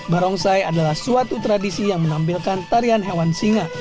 barongsai adalah suatu tradisi yang menampilkan tarian hewan singa